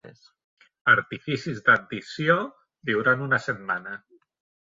Artificis d'addició viuran una setmana.